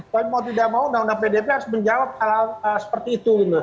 tapi mau tidak mau undang undang pdp harus menjawab hal hal seperti itu